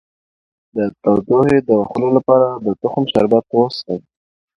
د تودوخې د وهلو لپاره د تخم شربت وڅښئ